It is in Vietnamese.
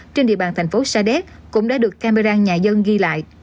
trên địa bàn thành phố sa đéc cũng đã được camera nhà dân ghi lại